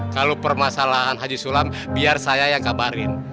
kalau permasalahan haji sulam biar saya yang kabarin